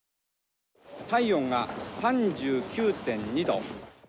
「体温が３９．２度」。